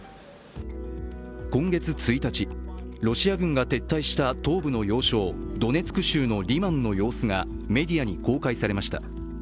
今月１日、ロシア軍が撤退した東部の要衝ドネツク州のリマンの様子がメディアに公開されました。